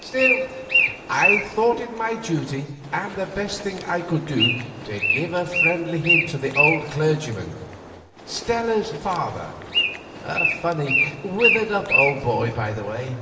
Still, I thought it my duty, and the best thing I could do, to give a friendly hint to the old clergyman, Stella's father, a funny, withered up old boy by the way.